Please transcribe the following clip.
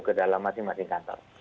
kedalam masing masing kantor